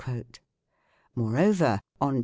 Moreover, on p.